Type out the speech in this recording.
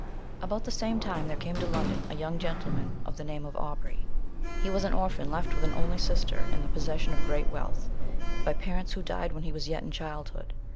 About the same time, there came to London a young gentleman of the name of Aubrey: he was an orphan left with an only sister in the possession of great wealth, by parents who died while he was yet in childhood.